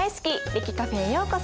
歴Ｃａｆｅへようこそ。